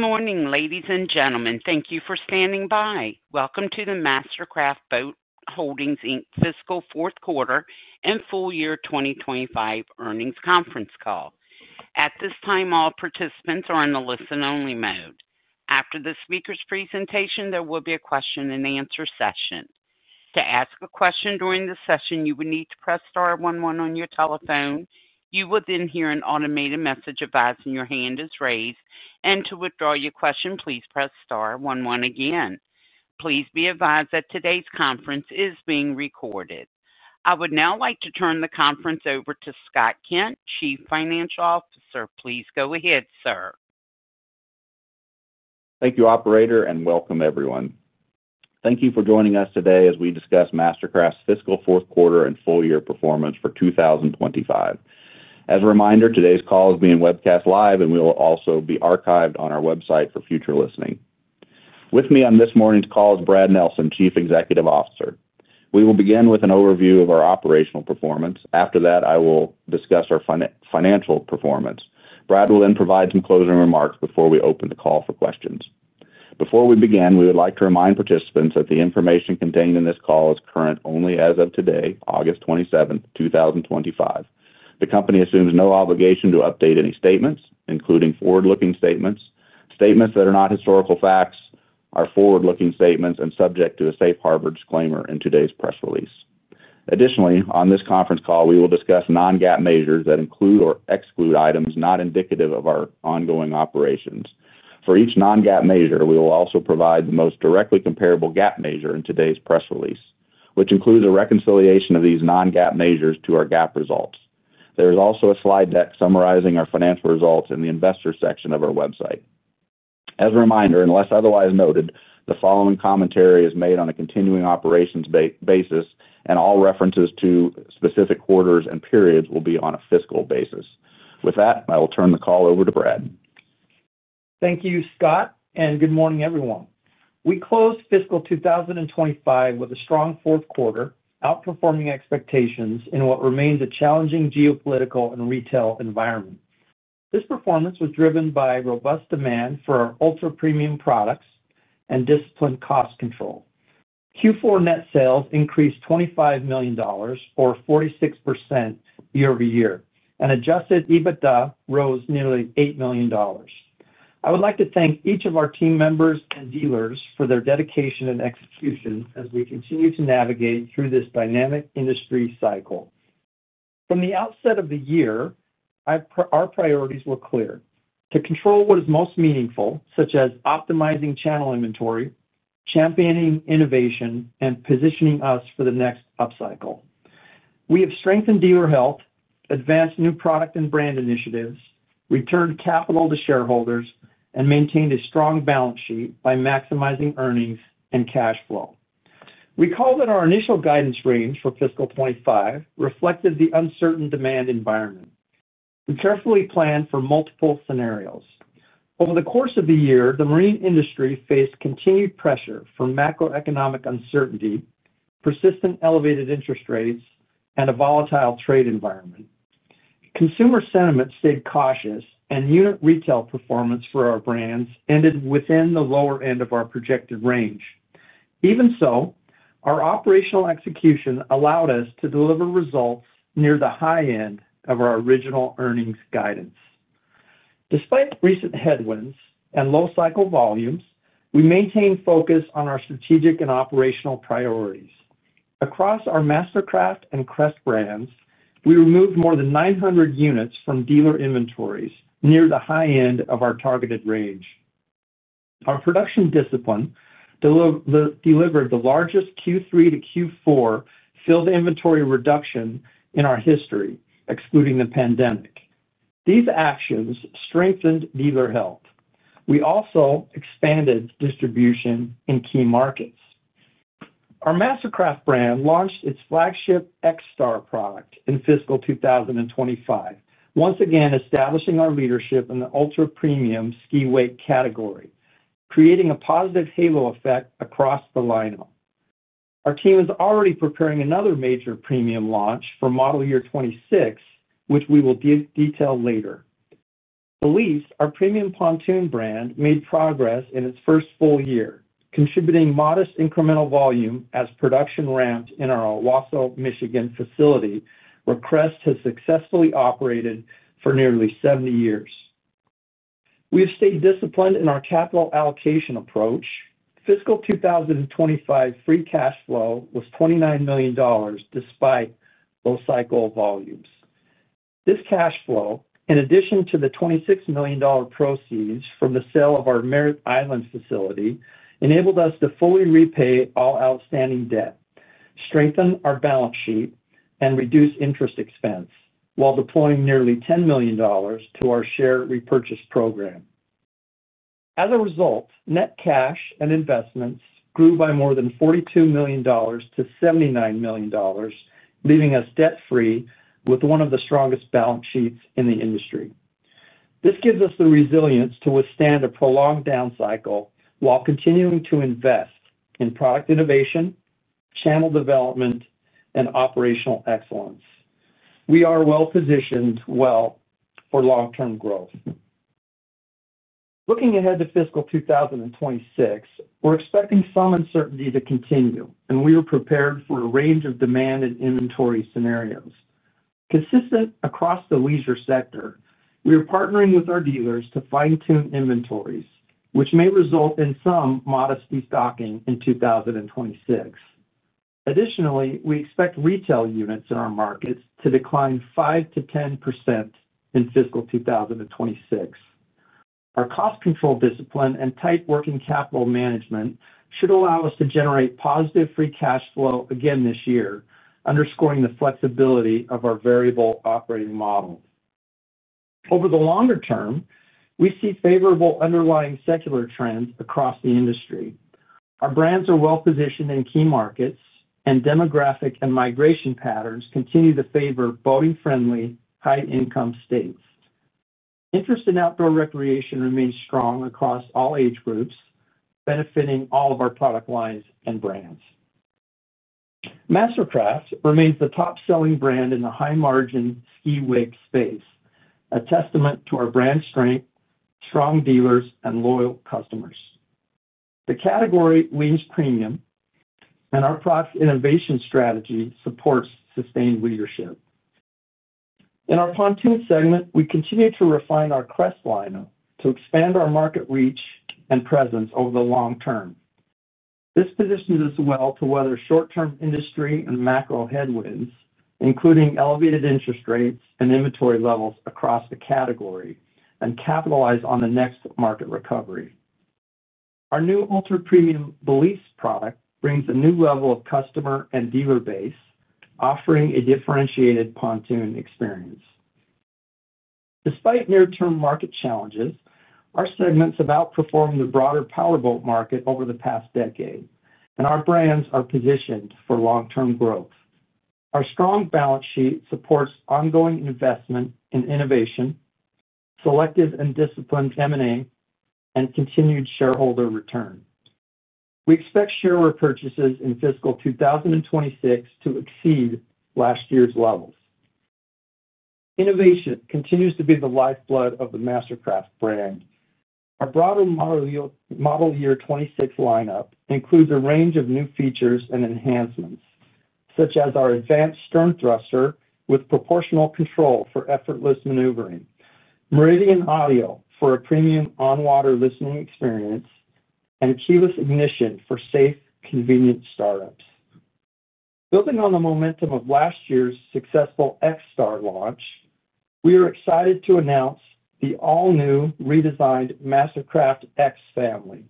Good morning, ladies and gentlemen. Thank you for standing by. Welcome to the MasterCraft Boat Holdings, Inc. fiscal fourth quarter and full year 2025 earnings conference call. At this time, all participants are in the listen-only mode. After the speaker's presentation, there will be a question and answer session. To ask a question during the session, you would need to press star one one on your telephone. You will then hear an automated message advising your hand is raised. To withdraw your question, please press star one one again. Please be advised that today's conference is being recorded. I would now like to turn the conference over to Scott Kent, Chief Financial Officer. Please go ahead, sir. Thank you, Operator, and welcome, everyone. Thank you for joining us today as we discuss MasterCraft's fiscal fourth quarter and full-year performance for 2025. As a reminder, today's call is being webcast live and will also be archived on our website for future listening. With me on this morning's call is Brad Nelson, Chief Executive Officer. We will begin with an overview of our operational performance. After that, I will discuss our financial performance. Brad will then provide some closing remarks before we open the call for questions. Before we begin, we would like to remind participants that the information contained in this call is current only as of today, August 27, 2025. The company assumes no obligation to update any statements, including forward-looking statements. Statements that are not historical facts are forward-looking statements and subject to a safe harbor disclaimer in today's press release. Additionally, on this conference call, we will discuss non-GAAP measures that include or exclude items not indicative of our ongoing operations. For each non-GAAP measure, we will also provide the most directly comparable GAAP measure in today's press release, which includes a reconciliation of these non-GAAP measures to our GAAP results. There is also a slide deck summarizing our financial results in the investor section of our website. As a reminder, unless otherwise noted, the following commentary is made on a continuing operations basis, and all references to specific quarters and periods will be on a fiscal basis. With that, I will turn the call over to Brad. Thank you, Scott, and good morning, everyone. We close fiscal 2025 with a strong fourth quarter, outperforming expectations in what remains a challenging geopolitical and retail environment. This performance was driven by robust demand for ultra-premium products and disciplined cost control. Q4 net sales increased $25 million, or 46% year over year, and adjusted EBITDA rose nearly $8 million. I would like to thank each of our team members and dealers for their dedication and execution as we continue to navigate through this dynamic industry cycle. From the outset of the year, our priorities were clear: to control what is most meaningful, such as optimizing channel inventory, championing innovation, and positioning us for the next upcycle. We have strengthened dealer health, advanced new product and brand initiatives, returned capital to shareholders, and maintained a strong balance sheet by maximizing earnings and cash flow. We recall that our initial guidance range for fiscal 2025 reflected the uncertain demand environment. We carefully planned for multiple scenarios. Over the course of the year, the marine industry faced continued pressure from macroeconomic uncertainty, persistent elevated interest rates, and a volatile trade environment. Consumer sentiment stayed cautious, and unit retail performance for our brands ended within the lower end of our projected range. Even so, our operational execution allowed us to deliver results near the high end of our original earnings guidance. Despite recent headwinds and low cycle volumes, we maintained focus on our strategic and operational priorities. Across our MasterCraft and Crest brands, we removed more than 900 units from dealer inventories near the high end of our targeted range. Our production discipline delivered the largest Q3 to Q4 field inventory reduction in our history, excluding the pandemic. These actions strengthened dealer health. We also expanded distribution in key markets. Our MasterCraft brand launched its flagship XStar product in fiscal 2025, once again establishing our leadership in the ultra-premium ski-wake category, creating a positive halo effect across the lineup. Our team is already preparing another major premium launch for model year 2026, which we will detail later. At the least, our premium pontoon brand made progress in its first full year, contributing modest incremental volume as production ramped in our Owosso, Michigan facility, where Crest has successfully operated for nearly 70 years. We've stayed disciplined in our capital allocation approach. Fiscal 2025 free cash flow was $29 million, despite low cycle volumes. This cash flow, in addition to the $26 million proceeds from the sale of our Merritt Island facility, enabled us to fully repay all outstanding debt, strengthen our balance sheet, and reduce interest expense, while deploying nearly $10 million to our share repurchase program. As a result, net cash and investments grew by more than $42 million to $79 million, leaving us debt-free with one of the strongest balance sheets in the industry. This gives us the resilience to withstand a prolonged down cycle while continuing to invest in product innovation, channel development, and operational excellence. We are well positioned for long-term growth. Looking ahead to fiscal 2026, we're expecting some uncertainty to continue, and we are prepared for a range of demand and inventory scenarios. Consistent across the leisure sector, we are partnering with our dealers to fine-tune inventories, which may result in some modest destocking in 2026. Additionally, we expect retail units in our markets to decline 5%-10% in fiscal 2026. Our cost control discipline and tight working capital management should allow us to generate positive free cash flow again this year, underscoring the flexibility of our variable operating model. Over the longer term, we see favorable underlying secular trends across the industry. Our brands are well positioned in key markets, and demographic and migration patterns continue to favor boating-friendly, high-income states. Interest in outdoor recreation remains strong across all age groups, benefiting all of our product lines and brands. MasterCraft remains the top-selling brand in the high-margin ski-wake space, a testament to our brand strength, strong dealers, and loyal customers. The category wins premium, and our product innovation strategy supports sustained leadership. In our pontoon segment, we continue to refine our Crest lineup to expand our market reach and presence over the long term. This positions us well to weather short-term industry and macro headwinds, including elevated interest rates and inventory levels across the category, and capitalize on the next market recovery. Our new ultra-premium Balise product brings a new level of customer and dealer base, offering a differentiated pontoon experience. Despite near-term market challenges, our segments have outperformed the broader pontoon boat market over the past decade, and our brands are positioned for long-term growth. Our strong balance sheet supports ongoing investment in innovation, selective and disciplined M&A, and continued shareholder return. We expect share repurchases in fiscal 2026 to exceed last year's levels. Innovation continues to be the lifeblood of the MasterCraft brand. Our broader model year 2026 lineup includes a range of new features and enhancements, such as our advanced stern thruster with proportional control for effortless maneuvering, Meridian Audio for a premium on-water listening experience, and keyless ignition for safe, convenient start-ups. Building on the momentum of last year's successful XStar launch, we are excited to announce the all-new redesigned MasterCraft X family.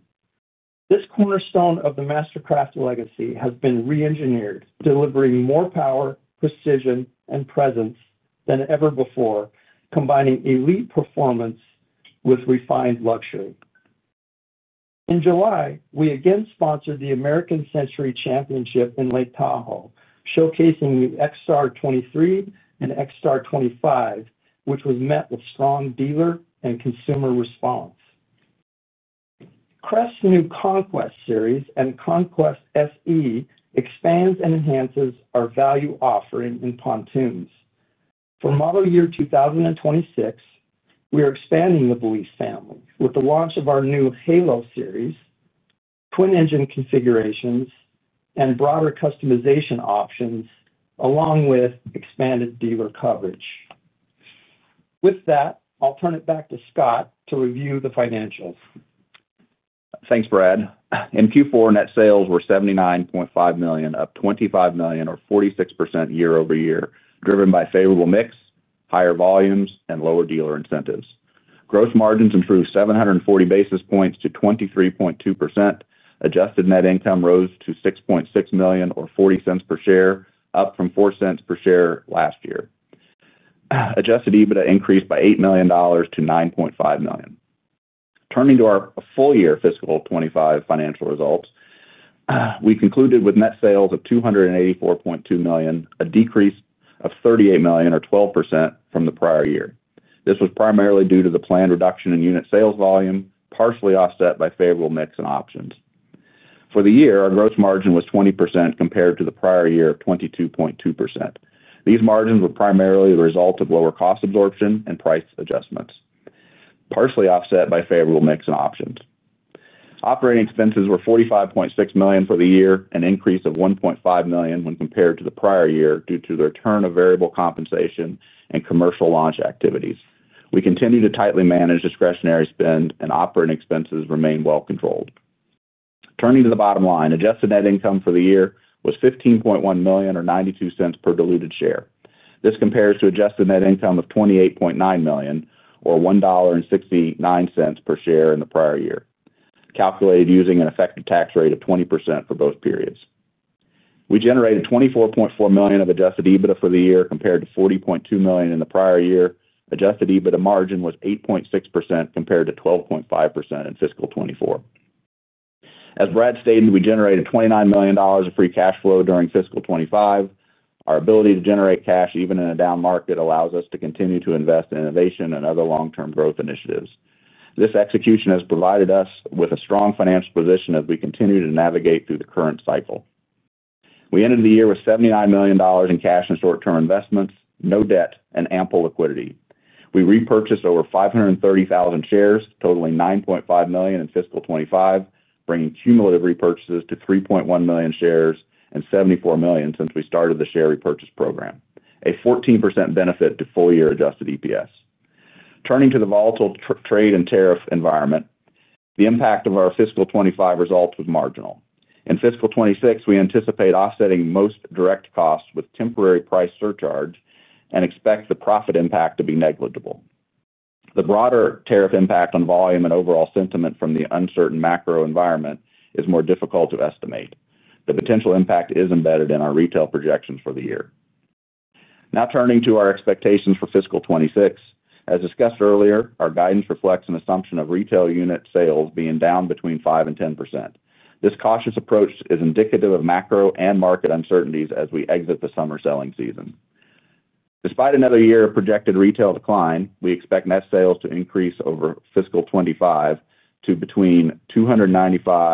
This cornerstone of the MasterCraft legacy has been re-engineered, delivering more power, precision, and presence than ever before, combining elite performance with refined luxury. In July, we again sponsored the American Century Championship in Lake Tahoe, showcasing the XStar 23 and XStar 25, which was met with strong dealer and consumer response. Crest's new Conquest series and Conquest SE expand and enhances our value offering in pontoons. For model year 2026, we are expanding the Balise family with the launch of our new Halo series, twin engine configurations, and broader customization options, along with expanded dealer coverage. With that, I'll turn it back to Scott to review the financials. Thanks, Brad. In Q4, net sales were $79.5 million, up $25 million, or 46% year over year, driven by favorable mix, higher volumes, and lower dealer incentives. Gross margins improved 740 basis points to 23.2%. Adjusted net income rose to $6.6 million, or $0.40 per share, up from $0.04 per share last year. Adjusted EBITDA increased by $8 million to $9.5 million. Turning to our full-year fiscal 2025 financial results, we concluded with net sales of $284.2 million, a decrease of $38 million, or 12% from the prior year. This was primarily due to the planned reduction in unit sales volume, partially offset by favorable mix and options. For the year, our gross margin was 20% compared to the prior year of 22.2%. These margins were primarily the result of lower cost absorption and price adjustments, partially offset by favorable mix and options. Operating expenses were $45.6 million for the year, an increase of $1.5 million when compared to the prior year due to the return of variable compensation and commercial launch activities. We continue to tightly manage discretionary spend, and operating expenses remain well controlled. Turning to the bottom line, adjusted net income for the year was $15.1 million, or $0.92 per diluted share. This compares to adjusted net income of $28.9 million, or $1.69 per share in the prior year, calculated using an effective tax rate of 20% for both periods. We generated $24.4 million of adjusted EBITDA for the year compared to $40.2 million in the prior year. Adjusted EBITDA margin was 8.6% compared to 12.5% in fiscal 2024. As Brad stated, we generated $29 million of free cash flow during fiscal 2025. Our ability to generate cash, even in a down market, allows us to continue to invest in innovation and other long-term growth initiatives. This execution has provided us with a strong financial position as we continue to navigate through the current cycle. We ended the year with $79 million in cash and short-term investments, no debt, and ample liquidity. We repurchased over 530,000 shares, totaling $9.5 million in fiscal 2025, bringing cumulative repurchases to 3.1 million shares and $74 million since we started the share repurchase program, a 14% benefit to full-year adjusted EPS. Turning to the volatile trade and tariff environment, the impact of our fiscal 2025 results was marginal. In fiscal 2026, we anticipate offsetting most direct costs with temporary price surcharge and expect the profit impact to be negligible. The broader tariff impact on volume and overall sentiment from the uncertain macro environment is more difficult to estimate. The potential impact is embedded in our retail projections for the year. Now turning to our expectations for fiscal 2026, as discussed earlier, our guidance reflects an assumption of retail unit sales being down between 5% and 10%. This cautious approach is indicative of macro and market uncertainties as we exit the summer selling season. Despite another year of projected retail decline, we expect net sales to increase over fiscal 2025 to between $295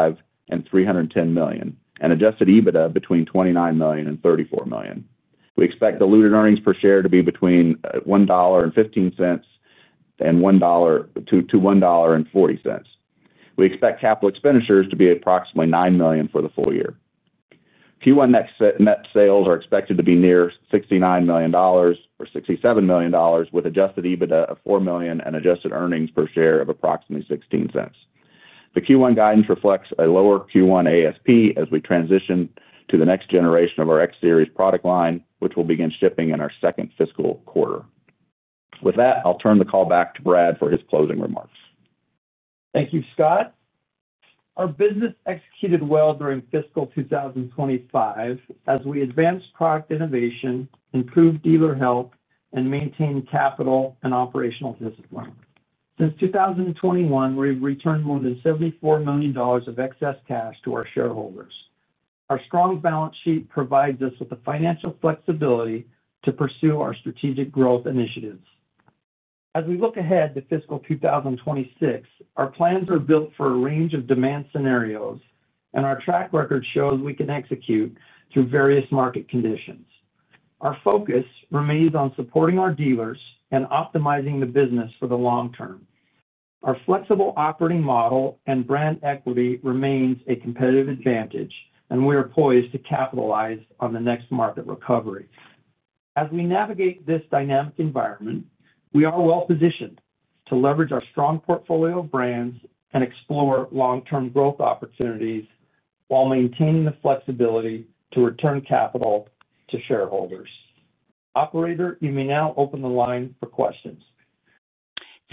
million and $310 million and adjusted EBITDA between $29 million and $34 million. We expect diluted earnings per share to be between $1.15-$1.40. We expect capital expenditures to be approximately $9 million for the full year. Q1 net sales are expected to be near $69 million or $67 million with adjusted EBITDA of $4 million and adjusted earnings per share of approximately $0.16. The Q1 guidance reflects a lower Q1 ASP as we transition to the next generation of our X Series product line, which will begin shipping in our second fiscal quarter. With that, I'll turn the call back to Brad for his closing remarks. Thank you, Scott. Our business executed well during fiscal 2025 as we advanced product innovation, improved dealer health, and maintained capital and operational discipline. Since 2021, we've returned more than $74 million of excess cash to our shareholders. Our strong balance sheet provides us with the financial flexibility to pursue our strategic growth initiatives. As we look ahead to fiscal 2026, our plans are built for a range of demand scenarios, and our track record shows we can execute through various market conditions. Our focus remains on supporting our dealers and optimizing the business for the long term. Our flexible operating model and brand equity remain a competitive advantage, and we are poised to capitalize on the next market recovery. As we navigate this dynamic environment, we are well positioned to leverage our strong portfolio of brands and explore long-term growth opportunities while maintaining the flexibility to return capital to shareholders. Operator, you may now open the line for questions.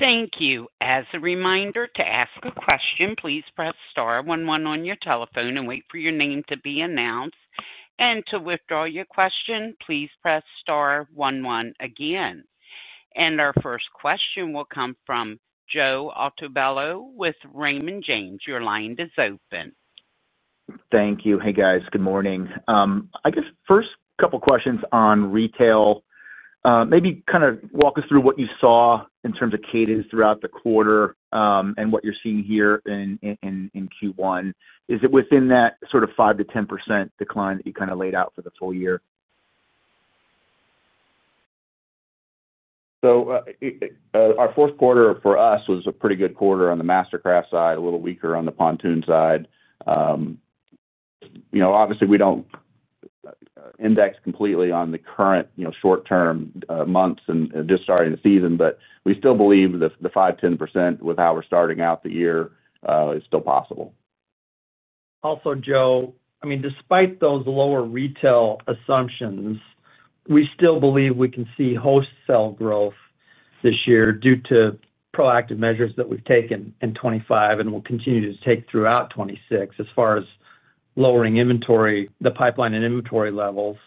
Thank you. As a reminder, to ask a question, please press star one one on your telephone and wait for your name to be announced. To withdraw your question, please press star one one again. Our first question will come from Joe Altobello with Raymond James. Your line is open. Thank you. Hey, guys. Good morning. I guess first couple of questions on retail. Maybe kind of walk us through what you saw in terms of cadence throughout the quarter and what you're seeing here in Q1. Is it within that sort of 5%-10% decline that you kind of laid out for the full year? Our fourth quarter for us was a pretty good quarter on the MasterCraft side, a little weaker on the pontoon side. Obviously, we don't index completely on the current short-term months and just starting the season, but we still believe the 5%-10% with how we're starting out the year is still possible. Also, Joe, despite those lower retail assumptions, we still believe we can see wholesale growth this year due to proactive measures that we've taken in 2025 and will continue to take throughout 2026 as far as lowering inventory, the pipeline and inventory levels.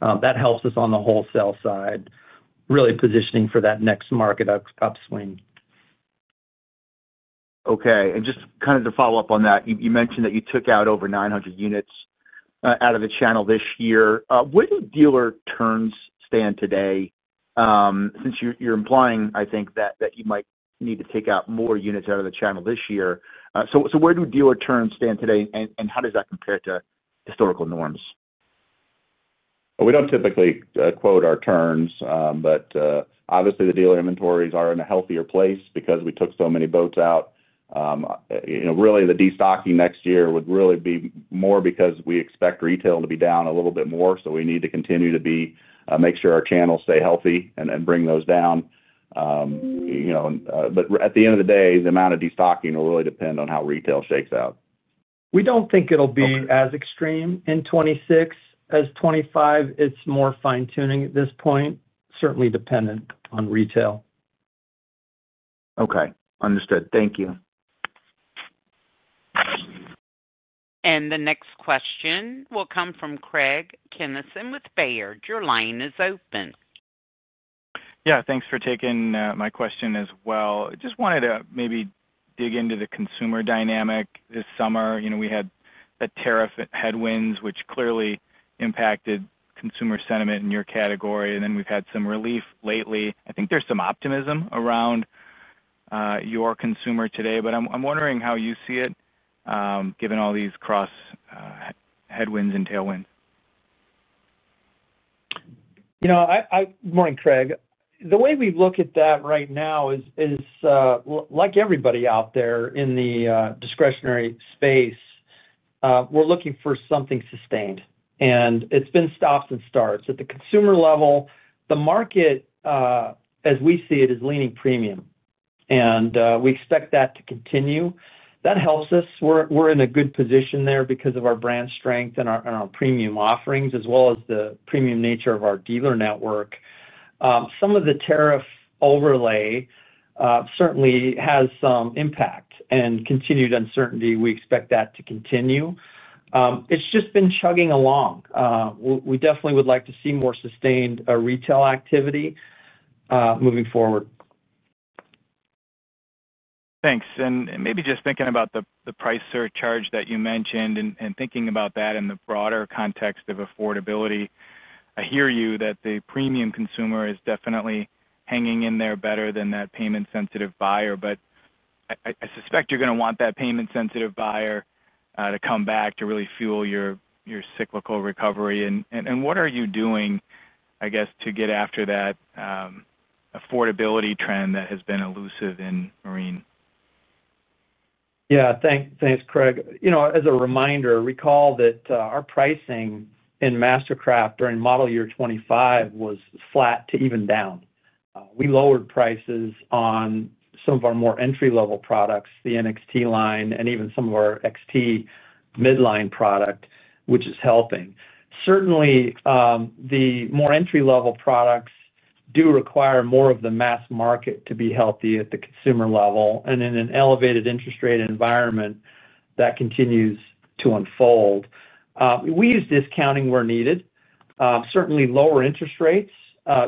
That helps us on the wholesale side, really positioning for that next market upswing. Okay. Just kind of to follow up on that, you mentioned that you took out over 900 units out of the channel this year. Where do dealer turns stand today since you're implying, I think, that you might need to take out more units out of the channel this year? Where do dealer turns stand today, and how does that compare to historical norms? We don't typically quote our turns, but obviously, the dealer inventories are in a healthier place because we took so many boats out. Really, the destocking next year would really be more because we expect retail to be down a little bit more. We need to continue to make sure our channels stay healthy and bring those down. At the end of the day, the amount of destocking will really depend on how retail shakes out. We don't think it'll be as extreme in 2026 as 2025. It's more fine-tuning at this point, certainly dependent on retail. Okay. Understood. Thank you. The next question will come from Craig Kennison with Baird. Your line is open. Thanks for taking my question as well. I just wanted to maybe dig into the consumer dynamic this summer. We had the tariff headwinds, which clearly impacted consumer sentiment in your category, and then we've had some relief lately. I think there's some optimism around your consumer today, but I'm wondering how you see it, given all these cross headwinds and tailwinds. Morning, Craig. The way we look at that right now is, like everybody out there in the discretionary space, we're looking for something sustained. It's been stops and starts. At the consumer level, the market, as we see it, is leaning premium, and we expect that to continue. That helps us. We're in a good position there because of our brand strength and our premium offerings, as well as the premium nature of our dealer network. Some of the tariff overlay certainly has some impact and continued uncertainty. We expect that to continue. It's just been chugging along. We definitely would like to see more sustained retail activity moving forward. Thanks. Maybe just thinking about the price surcharge that you mentioned and thinking about that in the broader context of affordability, I hear you that the premium consumer is definitely hanging in there better than that payment-sensitive buyer. I suspect you're going to want that payment-sensitive buyer to come back to really fuel your cyclical recovery. What are you doing, I guess, to get after that affordability trend that has been elusive in marine? Yeah. Thanks, Craig. As a reminder, recall that our pricing in MasterCraft during model year 2025 was flat to even down. We lowered prices on some of our more entry-level products, the NXT line, and even some of our XT midline product, which is helping. Certainly, the more entry-level products do require more of the mass market to be healthy at the consumer level. In an elevated interest rate environment, that continues to unfold. We use discounting where needed. Certainly, lower interest rates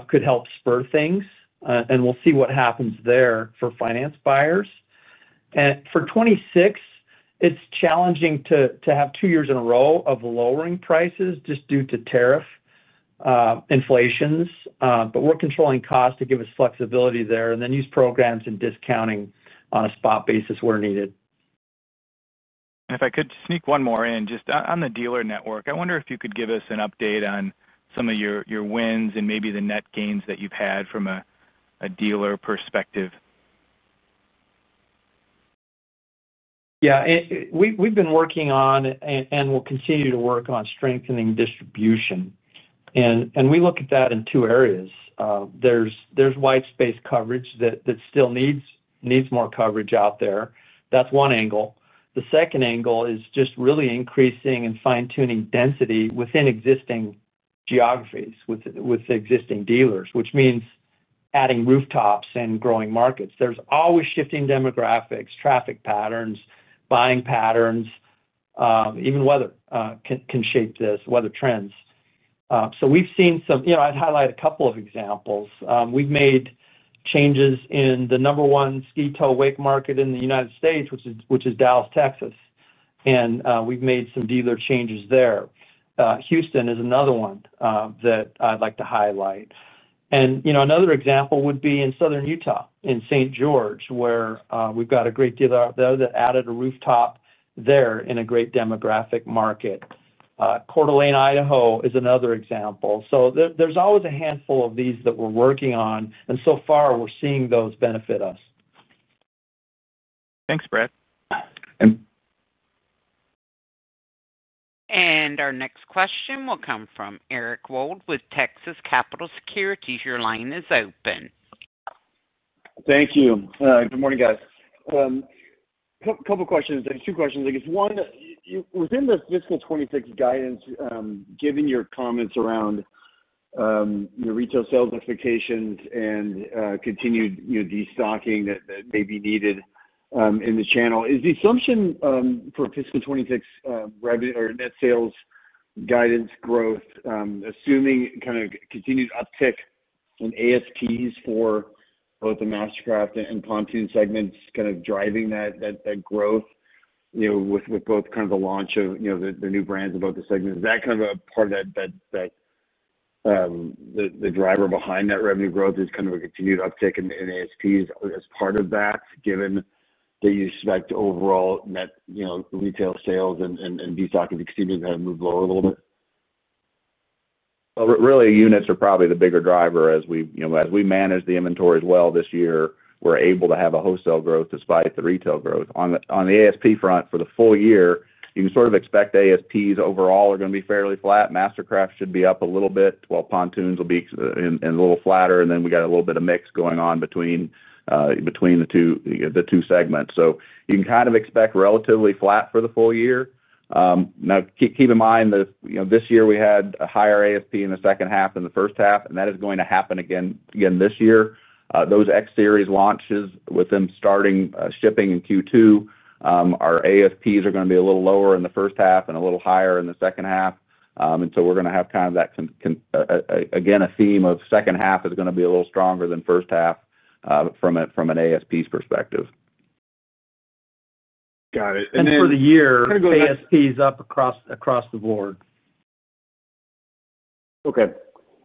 could help spur things, and we'll see what happens there for finance buyers. For 2026, it's challenging to have two years in a row of lowering prices just due to tariff inflations. We're controlling costs to give us flexibility there and then use programs and discounting on a spot basis where needed. If I could sneak one more in, just on the dealer network, I wonder if you could give us an update on some of your wins and maybe the net gains that you've had from a dealer perspective. Yeah. We've been working on and will continue to work on strengthening distribution. We look at that in two areas. There's white space coverage that still needs more coverage out there. That's one angle. The second angle is really increasing and fine-tuning density within existing geographies with existing dealers, which means adding rooftops and growing markets. There are always shifting demographics, traffic patterns, buying patterns. Even weather can shape this, weather trends. We've seen some. I'd highlight a couple of examples. We've made changes in the number one ski-wake market in the United States, which is Dallas, Texas. We've made some dealer changes there. Houston is another one that I'd like to highlight. Another example would be in southern Utah, in St. George, where we've got a great dealer out there that added a rooftop in a great demographic market. Coeur d'Alene, Idaho is another example. There is always a handful of these that we're working on. So far, we're seeing those benefit us. Thanks, Brad. Our next question will come from Eric Wold with Texas Capital Securities. Your line is open. Thank you. Good morning, guys. I have two questions. One, within the fiscal 2026 guidance, given your comments around your retail sales expectations and continued destocking that may be needed in the channel, is the assumption for fiscal 2026 net sales guidance growth assuming kind of continued uptick in ASPs for both the MasterCraft and pontoon segments driving that growth, with both the launch of the new brands in both the segments? Is that part of the driver behind that revenue growth, a continued uptick in ASPs as part of that, given that you expect overall net retail sales and destocking to continue to move lower a little bit? Units are probably the bigger driver as we manage the inventory as well this year. We're able to have a wholesale growth despite the retail growth. On the ASP front for the full year, you can sort of expect ASPs overall are going to be fairly flat. MasterCraft should be up a little bit, while pontoons will be a little flatter. We got a little bit of mix going on between the two segments. You can kind of expect relatively flat for the full year. Keep in mind that this year we had a higher ASP in the second half than the first half, and that is going to happen again this year. Those X Series launches, with them starting shipping in Q2, our ASPs are going to be a little lower in the first half and a little higher in the second half. We're going to have kind of that, again, a theme of second half is going to be a little stronger than first half from an ASP's perspective. Got it. For the year, ASP is up across the board. Okay.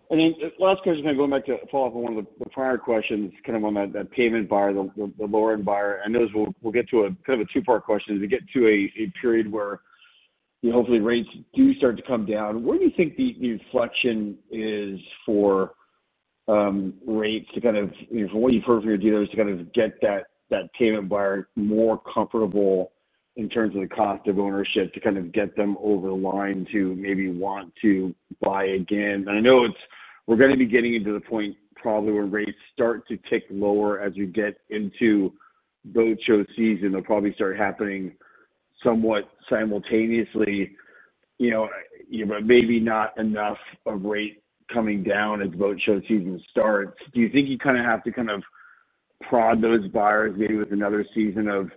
Last question, kind of going back to follow up on one of the prior questions, kind of on that payment buyer, the lower-end buyer. I know we'll get to a kind of a two-part question as we get to a period where you know hopefully rates do start to come down. Where do you think the inflection is for rates to kind of, you know, from what you've heard from your dealers, to kind of get that payment buyer more comfortable in terms of the cost of ownership, to kind of get them over the line to maybe want to buy again? I know we're going to be getting into the point probably where rates start to tick lower as we get into boat show season. They'll probably start happening somewhat simultaneously, you know, but maybe not enough of rate coming down as boat show season starts. Do you think you kind of have to prod those buyers maybe with another season of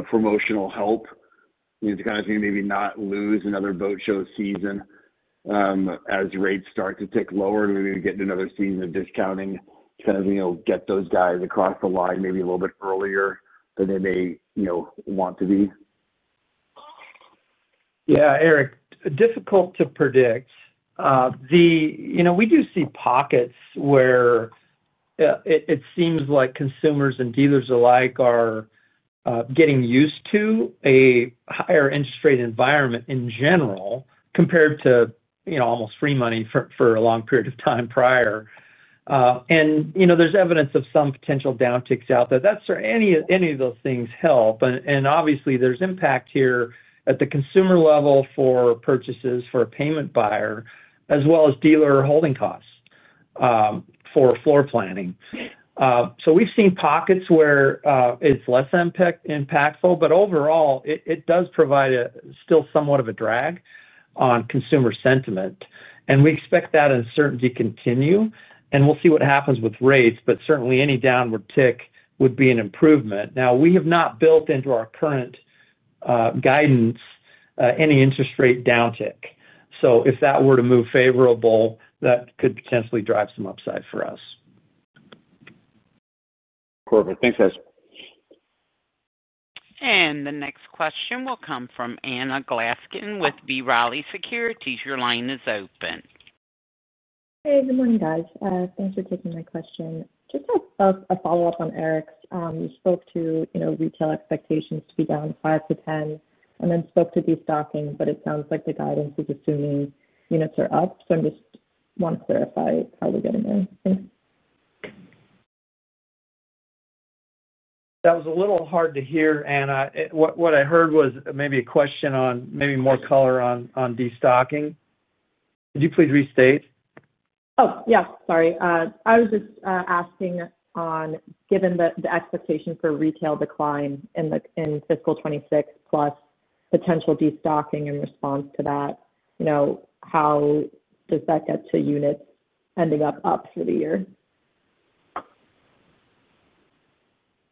promotional help? You know, to kind of think maybe not lose another boat show season as rates start to tick lower to maybe get another season of discounting to kind of get those guys across the line maybe a little bit earlier than they may, you know, want to be? Yeah, Eric, difficult to predict. We do see pockets where it seems like consumers and dealers alike are getting used to a higher interest rate environment in general compared to, you know, almost free money for a long period of time prior. There's evidence of some potential downticks out there. That's for any of those things help. Obviously, there's impact here at the consumer level for purchases for a payment buyer, as well as dealer holding costs for floor planning. We've seen pockets where it's less impactful, but overall, it does provide still somewhat of a drag on consumer sentiment. We expect that uncertainty to continue, and we'll see what happens with rates, but certainly any downward tick would be an improvement. We have not built into our current guidance any interest rate downtick. If that were to move favorable, that could potentially drive some upside for us. Perfect. Thanks, guys. The next question will come from Anna Glaessgen with B. Riley Securities. Your line is open. Hey, good morning, guys. Thanks for taking my question. Just a follow-up on Eric's. You spoke to, you know, retail expectations to be down 5%-10% and then spoke to destocking, but it sounds like the guidance is assuming units are up. I just want to clarify how we get in there. Thanks. That was a little hard to hear, Anna. What I heard was maybe a question on maybe more color on destocking. Could you please restate? Sorry. I was just asking, given the expectation for retail decline in fiscal 2026 plus potential destocking in response to that, how does that get to units ending up up for the year?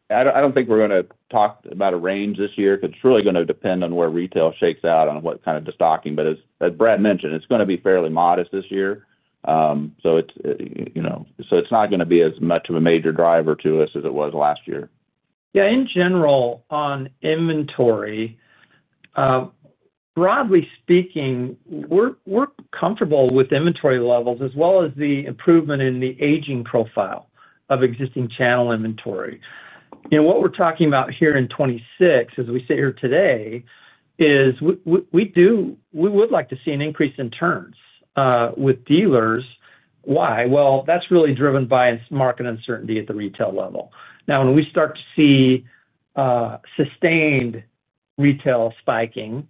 Yeah, I don't think we're going to talk about a range this year because it's really going to depend on where retail shakes out on what kind of destocking. As Brad mentioned, it's going to be fairly modest this year. It's not going to be as much of a major driver to us as it was last year. Yeah, in general, on inventory, broadly speaking, we're comfortable with inventory levels as well as the improvement in the aging profile of existing channel inventory. What we're talking about here in 2026, as we sit here today, is we would like to see an increase in turns with dealers. That's really driven by market uncertainty at the retail level. Now, when we start to see sustained retail spiking,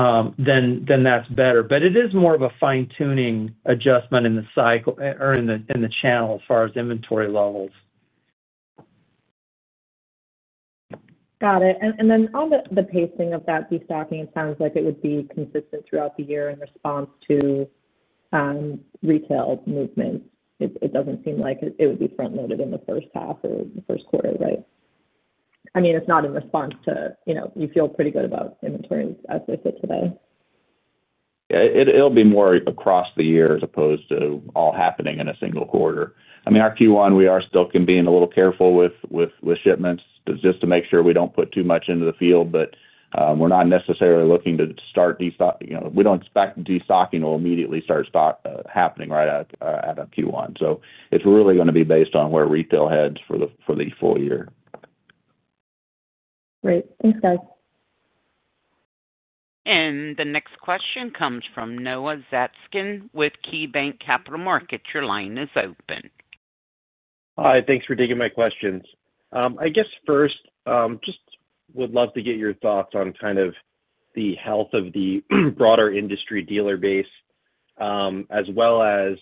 then that's better. It is more of a fine-tuning adjustment in the cycle or in the channel as far as inventory levels. Got it. On the pacing of that destocking, it sounds like it would be consistent throughout the year in response to retail movement. It doesn't seem like it would be front-loaded in the first half or the first quarter, right? If not in response to, you feel pretty good about inventory as they sit today. Yeah, it'll be more across the year as opposed to all happening in a single quarter. I mean, our Q1, we are still being a little careful with shipments just to make sure we don't put too much into the field, but we're not necessarily looking to start destocking. We don't expect destocking to immediately start happening right at Q1. It's really going to be based on where retail heads for the full year. Great. Thanks, guys. The next question comes from Noah Zatzkin with KeyBanc Capital Markets. Your line is open. Hi. Thanks for taking my questions. I guess first, I just would love to get your thoughts on kind of the health of the broader industry dealer base, as well as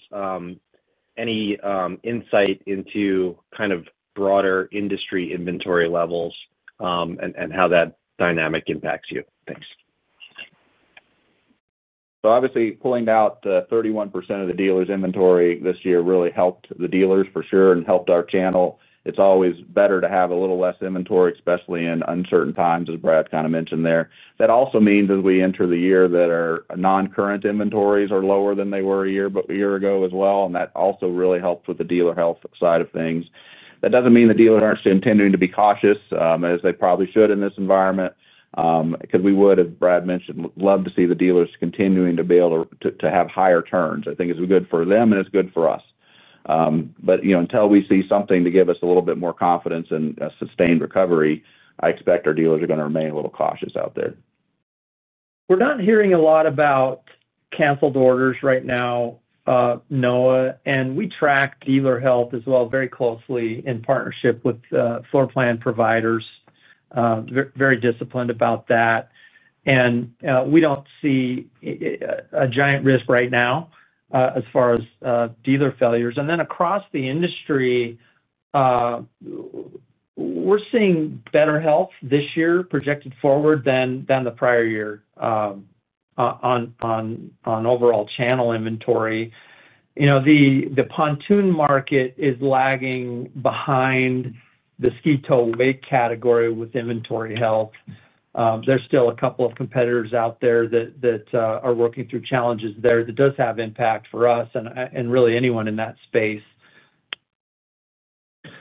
any insight into kind of broader industry inventory levels and how that dynamic impacts you. Thanks. Obviously, pulling out the 31% of the dealers' inventory this year really helped the dealers for sure and helped our channel. It's always better to have a little less inventory, especially in uncertain times, as Brad kind of mentioned there. That also means as we enter the year that our non-current inventories are lower than they were a year ago as well, and that also really helps with the dealer health side of things. That doesn't mean the dealers aren't continuing to be cautious, as they probably should in this environment, because we would, as Brad mentioned, love to see the dealers continuing to be able to have higher turns. I think it's good for them and it's good for us. Until we see something to give us a little bit more confidence in a sustained recovery, I expect our dealers are going to remain a little cautious out there. We're not hearing a lot about canceled orders right now, Noah. We track dealer health as well very closely in partnership with floor plan providers, very disciplined about that. We don't see a giant risk right now as far as dealer failures. Across the industry, we're seeing better health this year projected forward than the prior year on overall channel inventory. The pontoon market is lagging behind the ski-wake category with inventory health. There are still a couple of competitors out there that are working through challenges there that do have impact for us and really anyone in that space.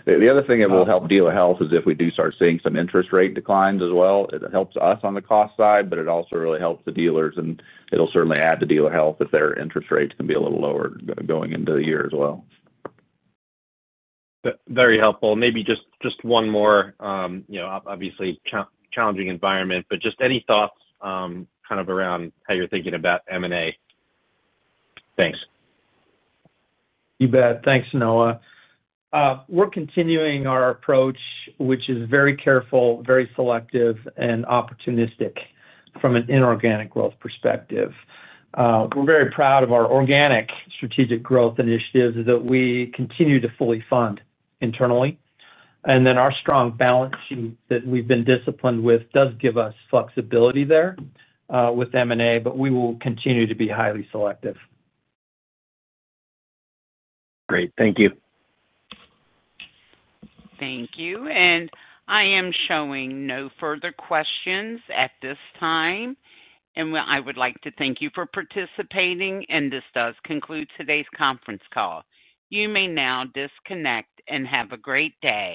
The other thing that will help dealer health is if we do start seeing some interest rate declines as well. It helps us on the cost side, but it also really helps the dealers, and it'll certainly add to dealer health if their interest rates can be a little lower going into the year as well. Very helpful. Maybe just one more, you know, obviously challenging environment, but just any thoughts kind of around how you're thinking about M&A? Thanks. You bet. Thanks, Noah. We're continuing our approach, which is very careful, very selective, and opportunistic from an inorganic growth perspective. We're very proud of our organic strategic growth initiatives that we continue to fully fund internally. Our strong balance sheet that we've been disciplined with does give us flexibility there with M&A, but we will continue to be highly selective. Great. Thank you. Thank you. I am showing no further questions at this time. I would like to thank you for participating, and this does conclude today's conference call. You may now disconnect and have a great day.